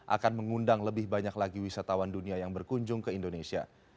akan mengundang lebih banyak lagi wisatawan dunia yang berkunjung ke indonesia